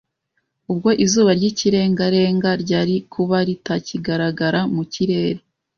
Ubwo izuba ry'ikirengarenga ryari kuba ritakigaragara mu kirere